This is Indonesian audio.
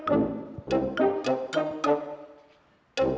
pasti tanamannya ditanam disini